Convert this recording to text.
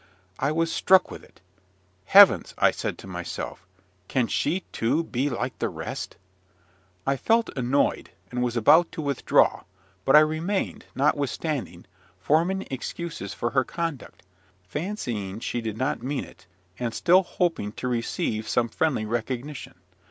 I was struck with it. "Heavens!" I said to myself, "can she, too, be like the rest?" I felt annoyed, and was about to withdraw; but I remained, notwithstanding, forming excuses for her conduct, fancying she did not mean it, and still hoping to receive some friendly recognition.